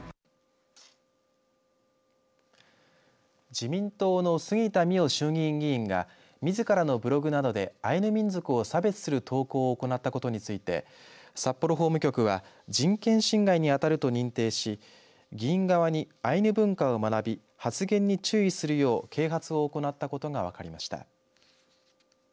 自民党の杉田水脈衆議院議員がみずからのブログなどでアイヌ民族を差別する投稿を行ったことについて札幌法務局は人権侵害に当たると認定し議員側にアイヌ文化を学び発言に注意するよう啓発を行ったことが分かりました。